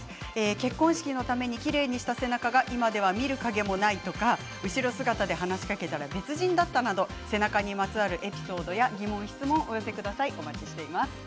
結婚式のためにきれいにした背中が今では見る影もないとか、後ろ姿で話しかけたら別人だったなど背中にまつわるエピソードや質問、疑問をお寄せください。